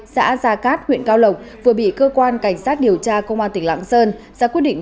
xã gia cát huyện cao lộc vừa bị cơ quan cảnh sát điều tra công an tỉnh lạng sơn ra quyết định